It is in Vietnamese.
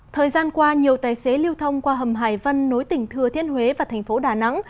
thời gian qua nhiều tài xế lưu thông qua hầm hải vân nối tỉnh thừa thiên huế và thành phố đà nẵng